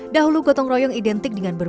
dahulu gotong royong identik dengan berbeda